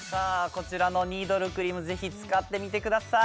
こちらのニードルクリームぜひ使ってみてください！